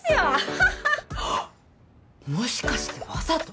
ハッハッハあっもしかしてわざと？